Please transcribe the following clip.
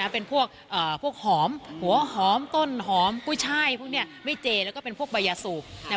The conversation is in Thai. เป็นพวกหอมหัวหอมต้นหอมกุ้ยช่ายพวกนี้ไม่เจแล้วก็เป็นพวกใบยาสูบ